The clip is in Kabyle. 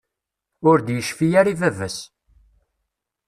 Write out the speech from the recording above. Ur d-yecfi ara i baba-s.